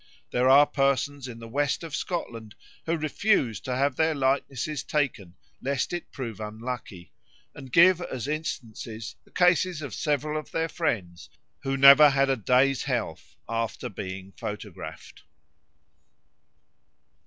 There are persons in the West of Scotland "who refuse to have their likenesses taken lest it prove unlucky; and give as instances the cases of several of their friends who never had a day's health after being photographed."